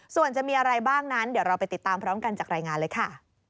ส่วนจะมีอะไรบ้างนั้นเดี๋ยวเราไปติดตามพร้อมกันจากรายงานเลยค่ะ